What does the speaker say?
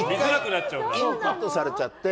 インプットされちゃって。